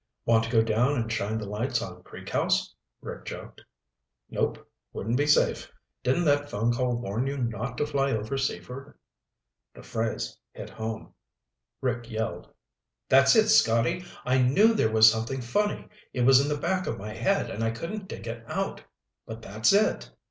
"Want to go down and shine the lights on Creek House?" Rick joked. "Nope. Wouldn't be safe. Didn't that phone call warn you not to fly over Seaford?" The phrase hit home. Rick yelled, "That's it! Scotty, I knew there was something funny. It was in the back of my head and I couldn't dig it out. But that's it!